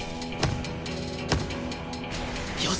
よし！